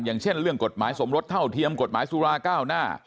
อย่างเช่นเรื่องกฎหมายสมรสเท่าเทียมกฎหมายสุราเก้าหน้า